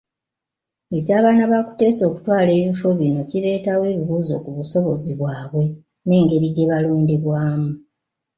Eky'abaana ba Kuteesa okutwala ebifo bino kireetawo ebibuuzo ku busobozi bwabwe n'engeri gye balondebwamu.